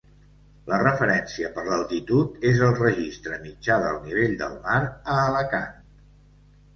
La referència per l'altitud és el registre mitjà del nivell del mar a Alacant.